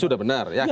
sudah benar ya